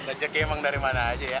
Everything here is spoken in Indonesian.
rejeki emang dari mana aja ya